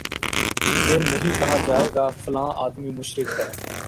یہ نہیں کہا جائے گا فلاں آدمی مشرک ہے